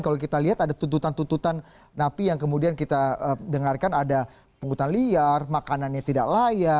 kalau kita lihat ada tuntutan tuntutan napi yang kemudian kita dengarkan ada penghutan liar makanannya tidak layak